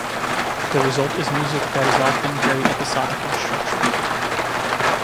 The result is music that is often very episodic in structure.